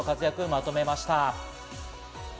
まとめました。